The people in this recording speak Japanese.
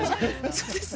そうですね。